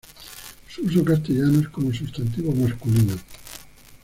Su uso castellano es como sustantivo masculino.